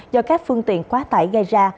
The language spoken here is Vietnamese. do các phương tiện quá tải gây ra